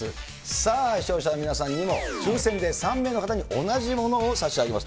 さあ、視聴者の皆さんにも抽せんで３名の方に同じものを差し上げます。